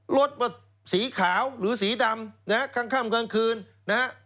รถว่าสีขาวหรือสีดำนะฮะข้างข้ามกลางคืนนะฮะ